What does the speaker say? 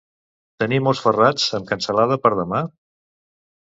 Tenim ous ferrats amb cansalada per demà?